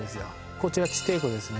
こちら地底湖ですね